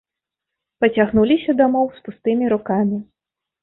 Пацягнуліся дамоў з пустымі рукамі.